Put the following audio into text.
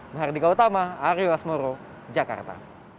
mbah hardika utama aryo asmoro jakarta